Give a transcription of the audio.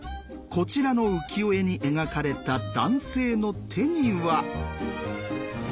こちらの浮世絵に描かれた男性の手には。